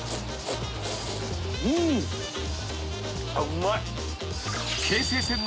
うまい。